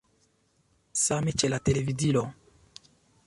Same ĉe la televidilo.